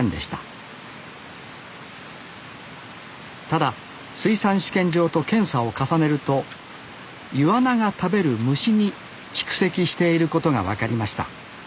ただ水産試験場と検査を重ねるとイワナが食べる虫に蓄積していることが分かりました